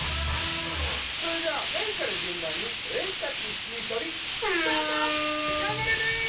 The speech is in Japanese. それではメイからじゅんばんにお絵かきしりとりがんばれメイ！